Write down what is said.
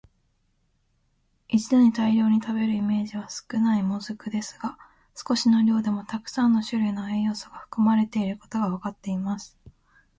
一度に大量に食べるイメージは少ない「もずく」ですが、少しの量でもたくさんの種類の栄養素が含まれていることがわかっています。